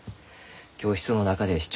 教室の中で知っ